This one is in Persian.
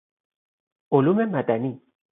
علوم مدنی